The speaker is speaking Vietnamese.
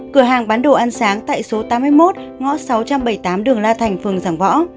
cửa hàng bán đồ ăn sáng tại số tám mươi một ngõ sáu trăm bảy mươi tám đường la thành phường giảng võ